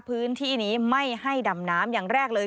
พื้นที่นี้ไม่ให้ดำน้ำอย่างแรกเลย